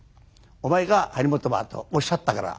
「お前か張本は」とおっしゃったから。